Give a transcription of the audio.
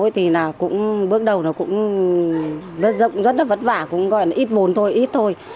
thế thì là cũng bước đầu nó cũng rất là vất vả cũng gọi là ít vốn thôi ít thôi